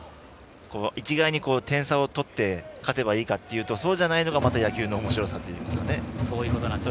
一概に、点差を取って勝てばいいかと言うとそうではないのが野球のおもしろさですね。